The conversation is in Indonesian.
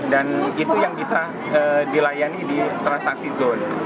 dan itu yang bisa dilayani di transaksi zone